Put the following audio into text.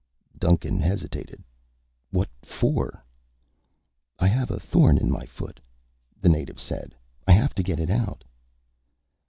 Duncan hesitated. "What for?" "I have a thorn in my foot," the native said. "I have to get it out."